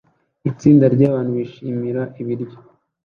Itsinda ryabantu bishimira ibiryo